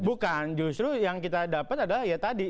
bukan justru yang kita dapat adalah ya tadi